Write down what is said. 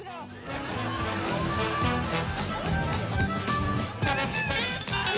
มันเป็นแบบนี้